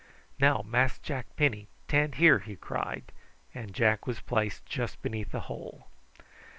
"Now, Mas' Jack Penny, tan' here," he cried; and Jack was placed just beneath the hole.